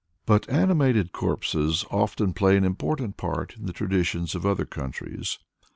But animated corpses often play an important part in the traditions of other countries.